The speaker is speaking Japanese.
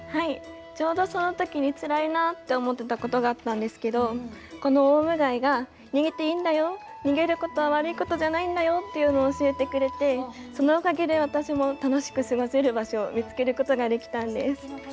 ちょうどそのときにつらいなって思ってたことがあったんですけどこのオウムガイが逃げていいんだよ、逃げることは悪いことじゃないんだよと教えてくれてそのおかげで私も楽しく過ごせる場所を見つけることができたんです。